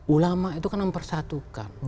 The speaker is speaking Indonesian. ulama itu kan mempersatukan